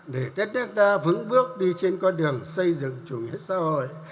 để đất nước ta vững bước đi trên con đường xây dựng chủ nghĩa xã hội